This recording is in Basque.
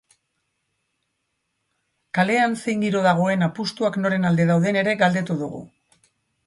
Kalean zein giro dagoen, apustuak noren alde dauden ere galdetu dugu.